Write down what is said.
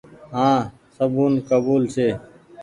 هآن سبون ڪبول ڇي۔